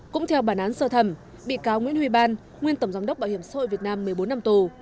cũng theo bản án sơ thẩm bị cáo nguyễn huy ban nguyên tổng giám đốc bảo hiểm xã hội việt nam một mươi bốn năm tù